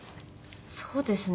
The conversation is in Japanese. そうですね。